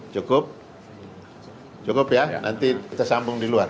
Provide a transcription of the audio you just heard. cukup cukup ya nanti kita sambung di luar